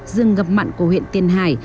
rừng ngập mặn của huyện tiên hải